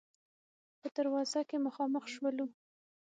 په دروازه کې مخامخ شولو.